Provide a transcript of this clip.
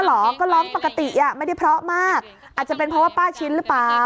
เหรอก็ร้องปกติอ่ะไม่ได้เพราะมากอาจจะเป็นเพราะว่าป้าชิ้นหรือเปล่า